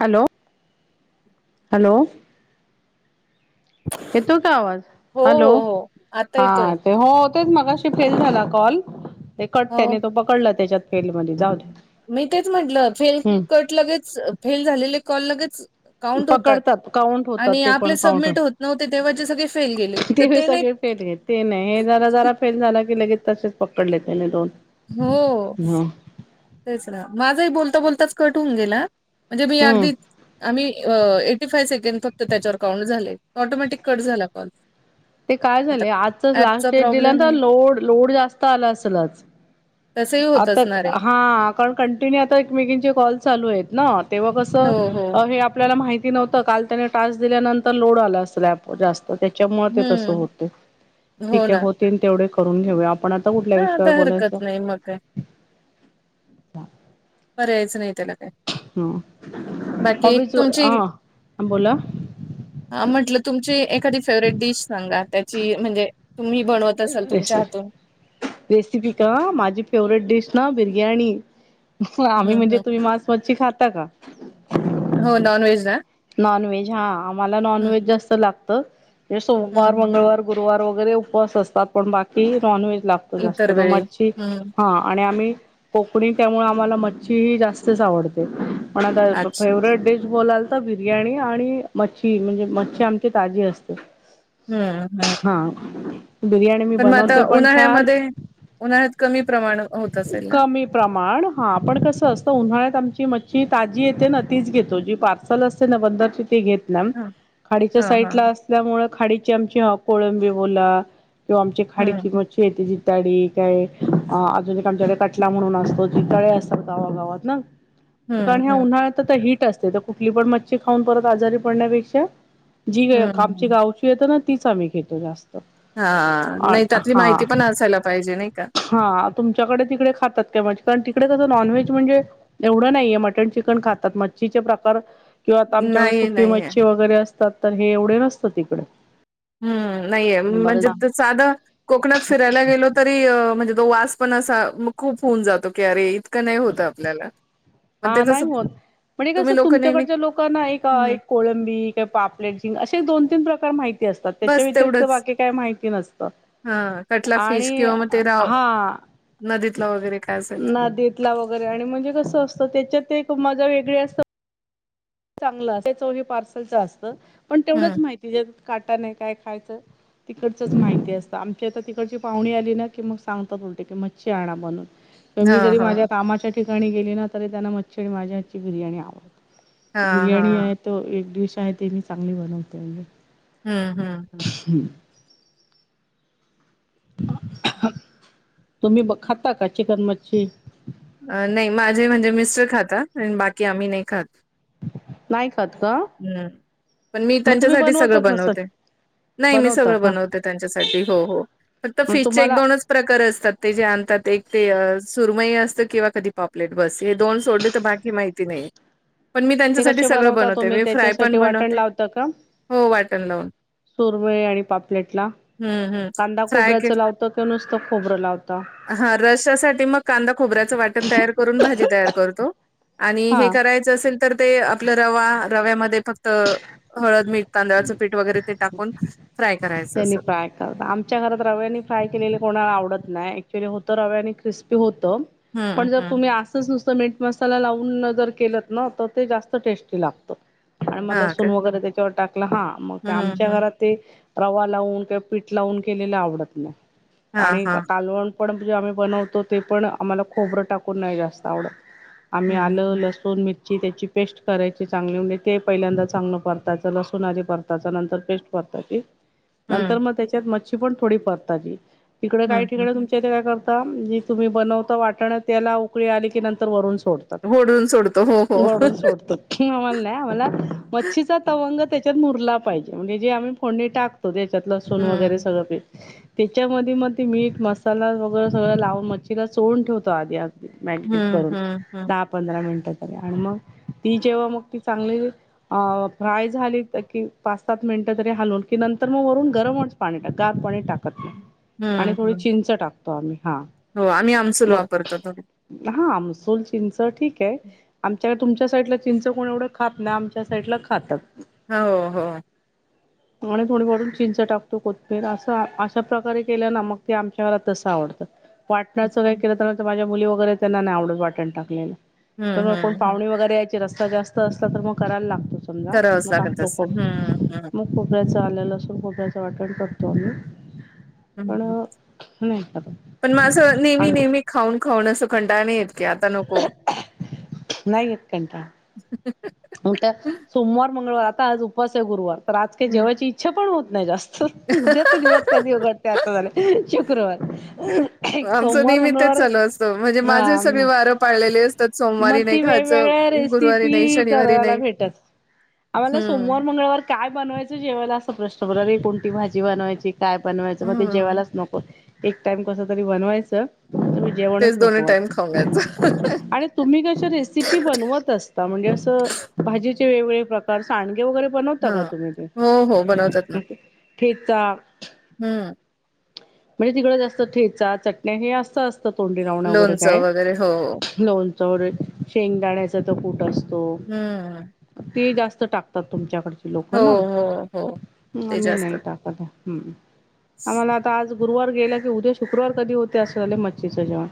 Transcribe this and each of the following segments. Hello hello, येतो का आवाज? हो हॅलो, हो हो आता येतोय हा ते होत तेचं मगाशी फेल झाला कॉल. ते कट हो त्याने तो पकडला त्याच्यात फेल मधे जाऊ दे. मी तेच म्हटलं फेल, हम्म कट लगेच, फेल झालेले कॉल लगेच काउंट होतात पकडतात काउंट होतात आणि ते आपले पण काउंट सबमिट होत नव्हते तेव्हा जे सगळे फेल गेले त ते नाही फेल गे ते नाही हे जरा जरा फेल झाला की लगेच तसेच पकडले त्याने दोन हो. ह तेच ना, माझा ही बोलता बोलताच कट होऊन गेला म्हणजे मी हम्म अगदी आम्ही अं थ्री फाय सेकंड फक्त त्याच्यावर काउंट झाले. ऑटोमॅटिक कट झाला कॉल. ते काय आता झाले? आजचच लास्ट ऍपचा डेट प्रॉब्लेम दिल्यातर आहे लोड लोड जास्त आला असेल आज. तसही होत आता असणार आहे हा, कारण कंटिन्यू आता एकमेकीचे कॉल चालू आहेत ना, तेव्हा कसं हो हो हे आपल्याला माहिती नव्हतं. काल त्याने टास्क दिल्यानंतर लोड आला असल ॲपव जास्त त त्याच्यामुळे ते तसं हम्म होतं. हो ठीक आहे ना होतील तेवढे करून घेऊया. पण आता कुठल्या विषयावर बोलायचं? ते मग काय जा पऱ्या यायचं नाही त्याला काय ह, बाकी अभी चो तुमची आ बोला. आ म्हंटलं तुमची एखादी फेवरेट डिश सांगा. त्याची म्हणजे तुम्ही बनवत तसाल रेस तुमच्या हातून रेसिपी का? माझी फेवरेट डिश ना बिर्याणी. आम्ही हं, म्हणजे हं, तुम्ही हं. मांस, मच्छी खाता का? हो. नॉन व्हेज ना, नॉन व्हेज हा आम्हाला नॉन हं, व्हेज हं. जास्त लागत. ते हं, सोमवार, हं. मंगळवार गुरुवार वगैरे उपवास असतात. पण बाकी नॉन व्हेज लाग जास्त इतर त वेळी. मच्छी हं. हा आणि आम्ही कोकणी त्यामुळे आम्हाला मच्छी ही जास्तच आवडते पण आता अच्छा. फेवरेट डिश बोलाल त बिर्याणी आणि मच्छी, म्हणजे मच्छी आमची ताजी असते. हं, हं. हा, बिर्याणी मी पण मग बनवते आता पण छान. उन्हाळ्यामध्ये उन्हाळ्यात कमी प्रमाण होत असेल. ना? कमी प्रमाण हा पण कसं असतं उन्हाळ्यात आमची मच्छी ताजी येते न, तीच घेतो जी पार ल असते ना बंदरची ते घेत ना हां, खाडीच्या हां, साईड हां. ला अस- त्यामुळे खाडीची आमची कोळंबी बोला किंवा आमची खाडीची- हं, शेतीचीताळी काय अजून एक का आमच्याकडे कटला म्हणून असतो जिताळे असतात गावागावात ना ह [unintelligible] कारण ह्या उन्हाळ्यात तर हिट असते तर कुठली पण मच्छी खाऊन परत आजारी पडण्यापेक्षा- जी हं, वेळखाबची हं. गावची येतं ना तीच आम्ही घेतो जास्त- हा आ नाही त्यातली हा माहिती पण असायला पाहिजे नाही का- हा तुमच्याकडे तिकडे खातात का कारण तिकडे कसं नॉनव्हेज म्हणजे- एवढं नाहीये मटन चिकन खातात मच्छीचे प्रकार- तर किंवा आता आमच्याकडे नाही, सुकी नाहीये. मच्छी वगैरे असतात तर हे एवढे नसतं तिकडे- हम्म नाहीये मी बरच म्हणजे ते साधं- कोकणात फिरायला गेलो तरी अं म्हणजे तो वास पण असा खूप होऊन जातो की अरे- क नाही होत आपल्याला- मग ते हा नाही तसं होत म्हणजे कसं तुम्ही लोक नेहमी तुमच्याकडच्या लोकांना एक ना हम्म एक- कोळंबी कि पापलेट झिंंग असे दोन तीन प्रकार माहिती- माहिती असतात त्याच्या बस व्यतरिक्त तेवढंच बाकी काय माहिती नसतं- हा कटला फिश आणि किंवा मग ते राव हा नदीतला वगैरे काय असेल- नदीतला वगैरे म्हणजे कस असत त्याच्यात एक मजा वेगळी असत- चांगलं अस चो हे पार्सलच असतं पण तेवढंच हम्म माहिती जे काटा नाही काय खायचं- तिकडचंच माहिती असतं आमची आता तिकडची पाहुणी आली ना की मग सांगतात उलटे की मच्छी आणा बनून- तर हा मी जरी हा माझ्या कामाच्या ठिकाणी गेली ना तरी त्यांना मच्छी आणि माझ्या हातची बिर्याणी आवडते- हा हा बिर्याणी आहे तो एक डिश आहे ते मी चांगली बनवते म्हणजे- हम्म हम्.... हम्म.... तुम्ही ब खाता का चिकन मच्छी- नाही माझे म्हणजे मिस्टर खाता आणि बाकी आम्ही नाही खात- नाही खात का हम् पण मी मग तुम्ही त्यांच्यासाठी सगळं बनवतच नसल बनवते- नाही मी बनवता सगळं का बनवते त्यांच्यासाठी हो हो फक्त मग फिशचे एक तुम्हाला दोनच- प्रकार असतात ते जे आणतात एक ते सुरमयी असते किंवा कधी पॉपलेट बस हे दोन सोडले तर बाकी माहिती नाही पण मी ते त्यांच्यासाठी कसे सगळं बनवता बनवते तुम्ही मी फ्राय पण त्याच्यासाठी वाटण बनवते हो वाटण लावून- सुरमयी आणि पापलेटला हम्म हम्म. कांदा फ्राय के खोबऱ्याचं लावत किंवा नुसतं खोबरं लावता? हा रश्यासाठी मग कांदा खोबऱ्याचं वाटण तयार करून भाजी तयार करतो- आणि हे हा करायचं असेल तर ते आपलं रवा रव्यामध्ये फक्त- हळद, मीठ, तांदळाचं पीठ वगैरे ते टाकून- फ्राय करायच त्यांनी फ्राय- आमच्या घरात रव्याने फ्राय केलेले कोणाला आवडत नाही ऍक्च्युली होतं रव्याने क्रिस्पी होतं- हम्म पण जर हम्म. तुम्ही अस- तच नुसतं मीठ मसाला लावून जर केलत ना तर ते जास्त टेस्टी लागतं. आणि म हा का लसून वगैरे त्याच्यावर टाकलं हा मग हम्म आमच्या हम्म घरात ते- रवा लावून किंवा पीठ लावून केलेलं आवडत नाही हा आणि हा. कालवण- परंतु जे आम्ही बनवतो ते पण आम्हाला खोबरं टाकून नाही जास्त आम्ही हं, आलं, लसूण- दोन मिरची त्याची पेस्ट करायची चांगली म्हणजे ते पहिल्यांदा चांगलं परतायचं लसून आले परतायचं नंतर पेस्ट- परतायची हं, नंतर मग त्याच्यात मच्छी पण थोडी परतायची तिकड काय हं, हं. तिकंड तुम- त्याज काय करता? जी तुम्ही बनवता वाटणं त्याला उकळी आली की नंतर वरून सोड होडून सोडतो. हो, हो. वरून सोडतात आम्हाला नाही आम्हाला मच्छीचा तवंग त्याच्यात मुरला पाहिजे, म्हणजे जे आम्ही फोडणी टाक त्याच्यात लसुण वगैरे हं, सगळं पी त्याच्यामध्ये मग ते मीठ मसाला वगैरे सगळं सगळ लावून मच्छीला चोळून ठेवतो आधी आम्ही मॅडिटेट हं, करून हं, हं. दहा पंधरा मिनिटं तरी आणि मग ती जेव्हा मग ती चांगली अ फ्राय झाली की पाच सात मिनिटं तरी हालून की नंत तर मग वरून गरमच पाणी गार पाणी टाकत नाय, आणि हं, थोडी हं. चिंच टाकतो आम्ही हा हो आम्ही आमसुल मग वापरतो हा आमसूल चिंच ठीकय आमच्याक तुमच्या साईडला चिंच कोण एवढं खात नाय, आमच्या साईडला खातात हो हो कोणे [inaudible] थोडीवरून चिंच टाकतो, कोथमीेर असं अशा प्रकारे केल्या ना मग ते आमच्या तसं आवडतं वाटणाच काय हं, केलं तर माझ्या मुली वगैरे त्यांना नाय आवडत वाटण टाकलेलं तर मग कोण हं, हं. पाहुणी, वगैरे यायची रस्सा जास्त तर मग करायला करावंच लागत लागतंच असेल. हं, हं, म [inaudible] खोबऱ्याचं, आलं, लसून, खोबऱ्याचं वाटण करतो आम्ही हम् पण हा नाही करत पण मग असं नेहमी आणि नेहमी खाऊन खाऊन असं कंटाळ नायी येत की आता नको नायी येत कंटाळा उलट सोमवार, मंगळवार आता आज उपवासय गुरुवार आज काय हं. जेवायची इच्छा पण होत नाय जास् उद्याच दिवस कधी उजाडते असं झालंय, शुक्रवार आमचं सोमवार नेहमी तेच मंगळवार चालू असतं म्हणजे माझे सगळे वारं पाळलेले अस म ती वेगवेगळ्या नाही, रेसिपी शनिवारी करायला नाही. भेटल आम्हाला हम्म, सोमवार मंगळवार काय बनवायचं जेवायला असा प्रश्न पडला आरे कोणती भाजी बनवायची काय बनवायचं मग ते हम्म. जेवायलाच नको एक टाइम कसं तरी बनवायचं जेवणच नको वाटत हं [inaudible] तुम्ही कशे रेसिपी बनवत असता म्हणजे असं भाजीचे वेगवेगळे प्रकार सांडगे वगैरे बनवता का हां. तुम्ही हो, हो. बनवतात ते? ठेचा हम्म म्हणजे तिकड जास्त ठेचा चटण्या हे असत असतं तोंडी लावणं वगैरे लोणचं काय? वगैरे हो. लोणचं च वगैरे शेंगदाण्याचा तो कूट असतो हम्म ते जास्त टाकतात तुमच्याकडचे हो, लोकं ना? हो, हो. ते आम्ही जास्त नायी टाकतंय, आम्हाला आता आज गुरुवार गेल्या की उद्या शुक्रवार कधी होतय असं झाले मच्छीचं जेवण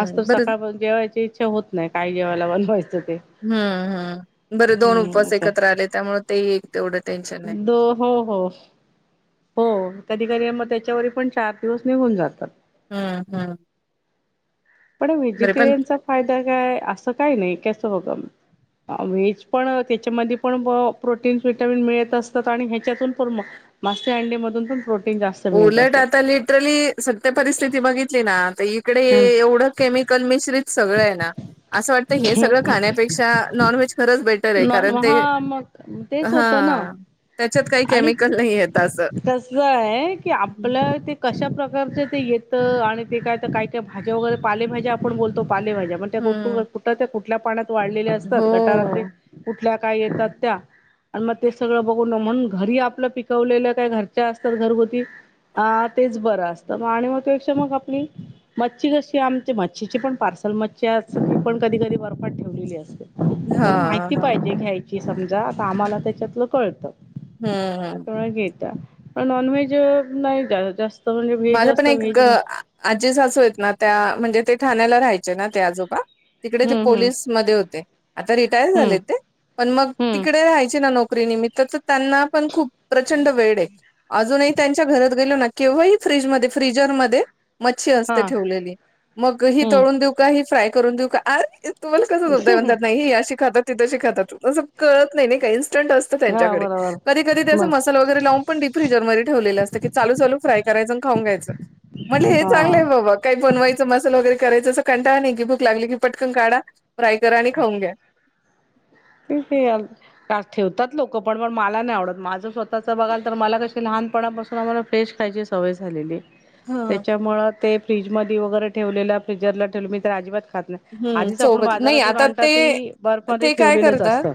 आज तर बरं सकाळपासून जेवायची इच्छा होत नाय, काय जेवायला बनवायचं ते? हम्म हम्म बर दोन हम्म उपवास असं एकत्र आले त्यामुळे ते एक तेवढं टेन्शन नाय हो हो हो हो कधी कधी म त्याच्यावर पण चार दिवस निघून जातात हम्म हम्म पण व्हेजिटेरियनचा फायदा काय? असं काय नाही कस बघ व्हेज पण त्याच्यामध्ये पण प्रोटीन् विटामिन मिळत असतात आणि ह्याच्यातून पण मग मासे, अंडी मधून पण प्रोटीन जास्त मिळत उलट असतात. आता लिटरली सत्य परिस्थिती बघितली ना तर इकडे एवढं केमिकल मिश्रित सगळं आहे ना असं वाटत हे सगळं खाण्यापेक्षा नॉन व्हेज खरंच बेट हम्म कारण ते, हा मग तेच होतं ना हा त्याच्यात काही केमिकल नाही ये असं. तसलं आहे की हं. आपलं ते कशा प्रकारच ते येतं आणि ते काय, काय, काय भाज्या वगैरे पालेभाज्या आपण बोलतो पालेभाज्या प कुठं, हं. कुठल्या पाण्यात वाढलेले असतात गटारातले हो. कुठल्या काय येतात त्या आणि मगं ते सगळं बघून म्हणून घरी आपलं पिकवलेल्या काय घरच्या असतात घरगुती हा तेचं बरं असतं मग आणि मग त्या पेक्षा मग आपली मच्छी कशी आमची मच्छीची पण पार्सल मच्छी असती ती पण कधी, कधी बर्फात ठेवलेली असते. हा हा. हे घ्यायची समजा आता आम्हाला त्याच्यातलं कळतं. हम्म, हम्म, घेता नॉन व्हेज नाही जास्त म्हणजे व्हेज मी जास्त व्हेज आजे सासू आहेत ना त्या म्हणजे ते ठाण्याला राहायचे ना ते आजोबा. तिकडे ते हम्म हम्म पोलीस मध्ये होते आता रिटायर हम्म झाले ते? पण मग हम्म तिकडे राहायचे ना नोकरी निमित्त त्याचं त्यांना पण खूप प्रचंड वेड आहे अजूनही त्यांच्या घरात गेलो ना केव्हाही फ्रीज, फ्रीजर मध्ये मच्छी असते हा ठेवलेली मग हि तळून हम्म देऊ का हे फाय करून देऊ का आरे तुम्हाला कसं समजतं नाही, नाही हे अशी खातात. ते कशी खात कळत नाही का इंस्टंट असतं हा त्यांच्याकडे बरोबर कधी, कधी ते मग मसाला लावून पण डी फ्रीज मध्ये ठेवलेल्या असत कि चालु, चालु फ्राय खाऊन घायचं. म्हणले हे चांगलं हा आहे बाबा. काही बनवायचं मसाल वगैरे करायचं असं कंटाळं नाही की भूक लागली की पटकन काढा फ्राय करा आणि खाऊन घ्या. त फल. [unintelligible] का ठेवतात लोकं पण, पण मला नाही आवडत माझं स्वतःचं बघाल तर मला कसे लहान पणा पासून आम्हाला फिश खायची सवय झालेली आहे. हा. त्याच्यामुळ ते फ्रीज मध्ये वगैरे ठेवलेलं फ्रिजरला ठेवलं मी तर अजिबात खात नाही. हम्म, आधीच चव आपण बदल नाही बाजारातून आता आणता ते बर्फमध्ये ते काय ठेवलेलंच करतात असतं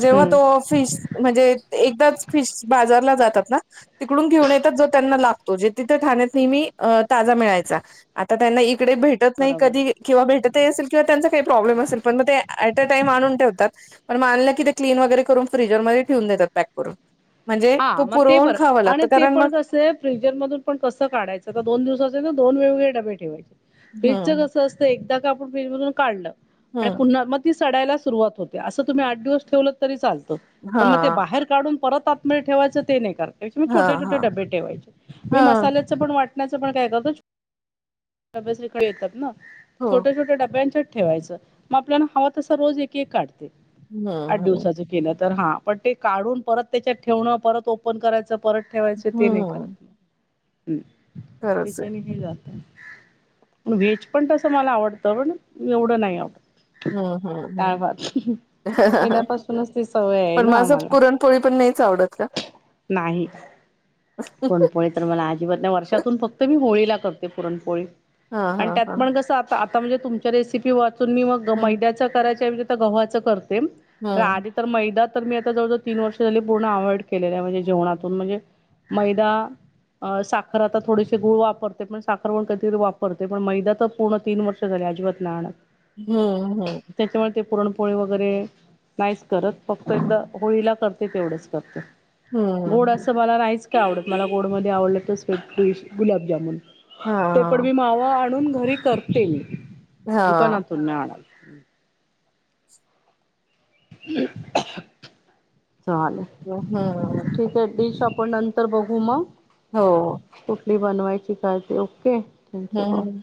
जेव्हा हम्म तो फिश म्हणजे एकदाच फिश बाजारला जातात ना. तिकडून घेऊन येतात जो त्यांना लागतो जे तिथ ठाण्यात नेहमी ताजा मिळायचा. आता त्यांना इकडे भेटत नाही बरोबर कधी किंवा भेटत ते असेल किंवा त्यांचा काही प्रॉब्लेम असेल पण मग ते अटे टाईम आणून ठेवतात ते पण आणलं की ते क्लीन वगैरे करून फ्रीजरमध्ये ठेवून देतात पॅक करून. म्हणजे तो हा पुरवून खावं लागत कारण मग फ्रिजर मधु कसं काढायचं दोन दिवसांचे ना दोन वेग वेगळे डबे ठेवायचे फ्रीजं हं, कसं असतं ते एकदा का आपण फ्रिज मधून काढ आणि हं. पुन्हा मग ते ती सडायला सुरवात होते असं तुम्ही आठ दिवस ठेव तरी चालत पण मग हां, बाहेर काढून परत आत आतमध्ये ठेवायचं ते नाही करायच एकदम छोटे, हां, छोटे हां. डबे ठेवायचे मी हां. मसाल्या पण वाटण्याचं पण काय करत [inaudible] डबेच इकडे येतात ना. हो. छोट्या, छोट्या डब्यांच्यात ठेवायचं मग आपल्याला हवा तसं रोज एक, एक काढते. आठ हं, हं. दिवसाच केलं तर हा पण ते काढून परत त्याच्यात ठेवण परत ओपन करायचं परत ठेवायचं ते नाही कराच, हं. हम्म खरंच आहे. त्याच्यानी हे जात. व्हेज पण तसं मला आवडतं पण एवढं नाही आवडतं. हं, हं, डाळ, हं. भात पहिल्यापासूनच ती सवय आहे ना आम्हाला. पोळी पण नाहीचं आवडत का? नाही पुरणपोळीत. तर मला अजिबात वर्षातून फक्त मी होळीला करते पुरणपोळी हां, आणि हां, त्यात हां. पण कसं. आ आता म्हणजे तुमच्या रेसिपी वाचून मी मग हं, मैद्याच करायच आहे म्हणजे तर गव्हाचं करते. तर हं. आधी तर मैदा तर मी आता जवजवळ तीन वर्ष झाली. पूर्ण अवॉइड केलेलं आहे म्हणजे जेवणातून म्हणजे मैदा अ. साखर आता थोडीशी गुळ वापरते पण साखर पण कधी वापरते पण मैदा तर पूर्ण तीन वर् [unintelligible] अजिबातना नाय आणत हम्म हम्म त्याच्यामुळं ते पुरणपोळी वगैरे नाईच करत फक्त एकदा होळीला करते तेवढंच गोड हं. असं [unintelligible] आवडत मला गोडमध्ये आवडलं तर स्वीट डिश गुलाबजामुन. हां, ते पण मी हां. मावा आणून घरी करते म दुकानातून नाही आणत. [inaudible] हा आलं हम्म हम्म हम्म तिकट डिश आपण नंतर बघू मग हो कुठली बनवायची काय ते ओके तुमचं बग हं.